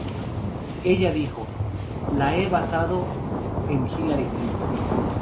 Ella dijo: "La he basado en Hillary Clinton.